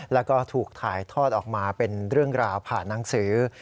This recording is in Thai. แล้วก็ถูกถ่ายทอดออกมาเป็นเรื่องราวผ่านหนังสือ